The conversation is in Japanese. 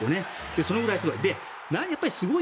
そのぐらいすごい。